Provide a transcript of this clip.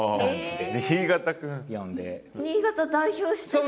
新潟代表してる感じ。